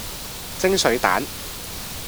蒸水蛋